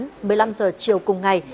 một mươi năm h chiều cùng ngày